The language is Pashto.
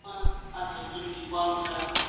غالب د خپل وخت یو لوی شاعر و.